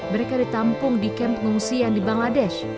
mereka ditampung di kamp pengungsian di bangladesh